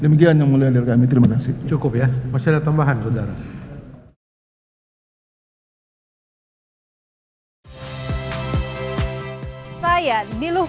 demikian yang mulia dari kami terima kasih